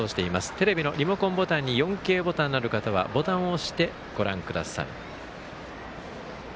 テレビのリモコンボタンに４Ｋがある方はボタンを押してご覧ください。